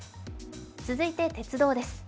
続いて、鉄道です。